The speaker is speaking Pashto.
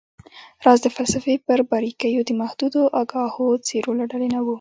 راز د فلسفې پر باریکیو د محدودو آګاهو څیرو له ډلې نه و